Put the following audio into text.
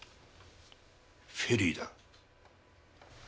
フェリーだ。え？